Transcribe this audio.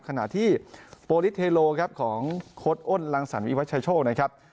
ขณะที่โปรลิสเทโลครับของโค้ดอ้นลังสรรวิวัชโชคนะครับ